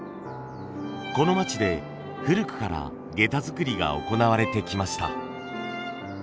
この町で古くから下駄作りが行われてきました。